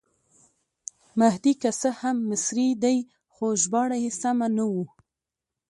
مهدي که څه هم مصری دی خو ژباړه یې سمه نه وه.